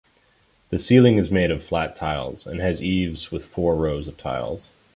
The ceiling is made of flat tiles and has eaves with four rows of tiles.